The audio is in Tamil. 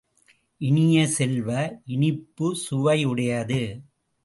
இனிய செல்வ, இனிப்பு சுவையுடையது.